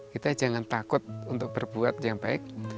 kita jangan takut untuk berbuat yang baik